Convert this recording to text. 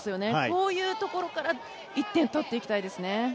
こういうところから１点取っていきたいですね。